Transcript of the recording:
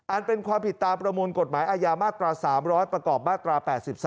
เป็นความผิดตามประมวลกฎหมายอาญามาตรา๓๐๐ประกอบมาตรา๘๓